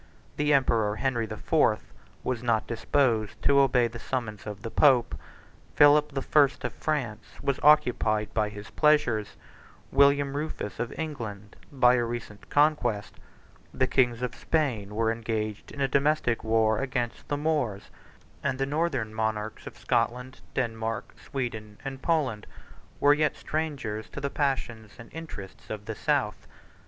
The emperor Henry the Fourth was not disposed to obey the summons of the pope: Philip the First of France was occupied by his pleasures; William Rufus of England by a recent conquest; the kin`gs of Spain were engaged in a domestic war against the Moors; and the northern monarchs of Scotland, Denmark, 42 Sweden, and Poland, were yet strangers to the passions and interests of the South.